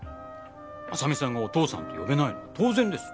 真実さんがお父さんと呼べないのは当然です。